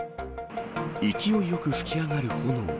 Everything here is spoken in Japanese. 勢いよく噴き上がる炎。